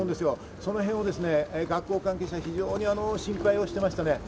そのへんね、学校関係者、非常に心配していました。